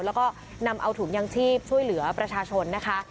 แล้วก็นำเอาถุงยางชีพช่วยเหลือประชาชนนะคะ